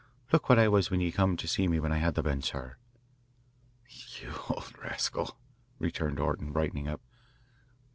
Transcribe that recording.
"Look what I was when ye come to see me when I had the bends, sir." "You old rascal," returned Orton, brightening up.